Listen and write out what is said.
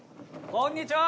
こんにちは。